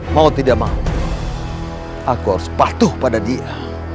mau tidak mau aku harus patuh pada dia